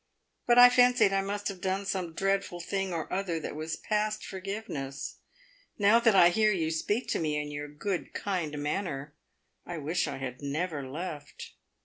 But I fancied I must have done some dreadful thing or other that was past forgiveness. Now that I hear you speak tome in your good, kind manner, I wish I had never left."